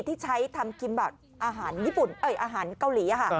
ที่ใช้ทำกิมบัตรอาหารเกาหลี